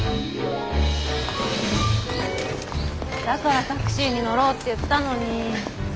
だからタクシーに乗ろうって言ったのに。